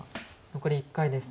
残り１回です。